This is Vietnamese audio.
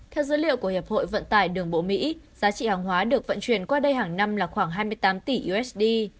theo dữ liệu của hiệp hội vận tải đường bộ mỹ giá trị hàng hóa được vận chuyển qua đây hàng năm là khoảng hai mươi tám tỷ usd